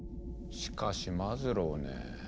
しかしマズローねぇ。